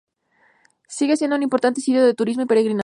Sigue siendo un importante sitio de turismo y peregrinación.